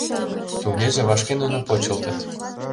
Тугеже вашке нуно почылтыт.